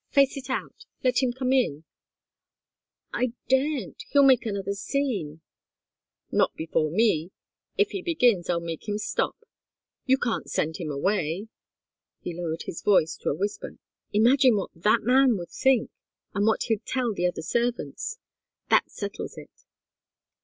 "Face it out. Let him come in!" "I daren't he'll make another scene " "Not before me if he begins, I'll make him stop. You can't send him away," he lowered his voice to a whisper. "Imagine what that man would think, and what he'd tell the other servants. That settles it."